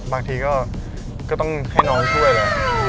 บางทีก็ต้องให้น้องช่วยแหละ